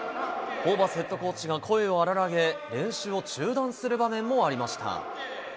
ホーバスヘッドコーチが声を荒らげ、練習を中断する場面もありました。